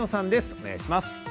お願いします。